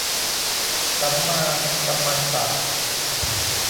สัมมากัมมันตะ